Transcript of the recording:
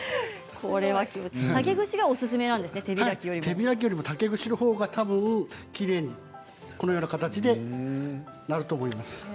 手開きよりも竹串のほうがたぶんきれいにこのような形になると思います。